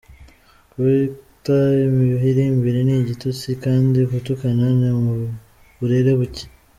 Kubita imihirimbiri ni igitutsi kandi gutukana ni uburere buke.